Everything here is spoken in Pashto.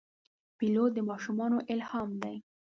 پیلوټ د ماشومانو الهام دی.